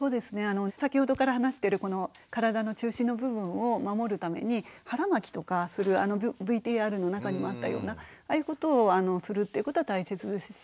先ほどから話してる体の中心の部分を守るために腹巻きとかするあのＶＴＲの中にもあったようなああいうことをするっていうことは大切ですし。